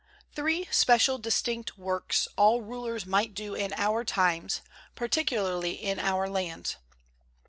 Three special, distinct works all rulers might do in our times, particularly in our lands.